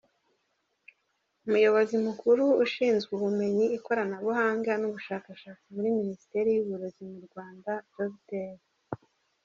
Umuyobozi Mukuru Ushinzwe Ubumenyi, Ikoranabuhanga n’ubushakashatsi muri Minisiteri y’Uburezi mu Rwanda, Dr.